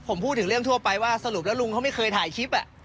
ผมพูดถึงเรื่องทั่วไปว่าสรุปแล้วลุงเขาไม่เคยถ่ายคลิป